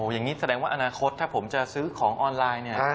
อย่างนี้แสดงว่าอนาคตถ้าผมจะซื้อของออนไลน์เนี่ย